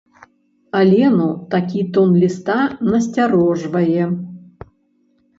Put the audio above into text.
Алену такі тон ліста насцярожвае.